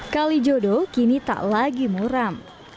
kalijodo kini tak lagi muram